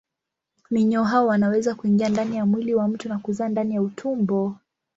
Minyoo hao wanaweza kuingia ndani ya mwili wa mtu na kuzaa ndani ya utumbo.